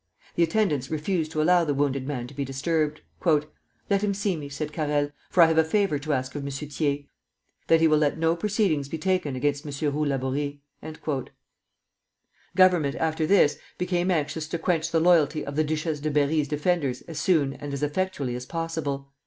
The attendants refused to allow the wounded man to be disturbed. "Let him see me," said Carrel; "for I have a favor to ask of M. Thiers, that he will let no proceedings be taken against M. Roux Laborie." Government after this became anxious to quench the loyalty of the Duchesse de Berri's defenders as soon and as effectually as possible.